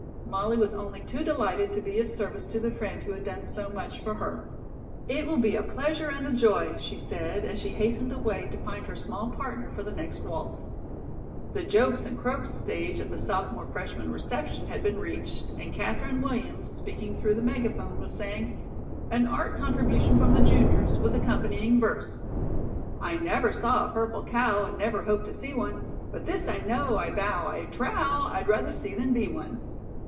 Molly was only too delighted to be of service to the friend who had done so much for her. "It will be a pleasure and a joy," she said, as she hastened away to find her small partner for the next waltz. The "Jokes and Croaks" stage of the sophomore freshman reception had been reached, and Katherine Williams, speaking through the megaphone, was saying: "An art contribution from the juniors, with accompanying verse: "'I never saw a purple cow, And never hope to see one; But this I know, I vow, I trow: I'd rather see than be one.'"